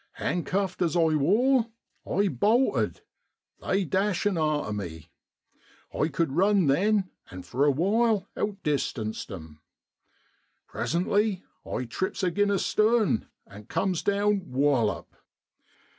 Handcuffed as I wor I bolted, they dashin' arter me. I cud run then, and for a while outdistanced 'em. Presently I trips agin a stone, and comes down whallop